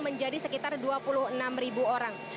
menjadi sekitar dua puluh enam ribu orang